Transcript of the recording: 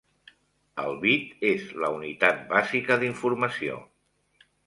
El bit és la unitat bàsica d'informació.